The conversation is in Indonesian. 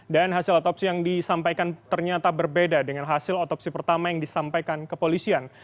dan hasil otopsi yang disampaikan ternyata berbeda dengan hasil otopsi pertama yang disampaikan ke polisian